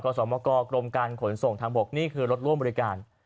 สมกรมการขนส่งทางบกนี่คือรถร่วมบริการ